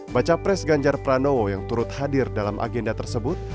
baca pres ganjar pranowo yang turut hadir dalam agenda tersebut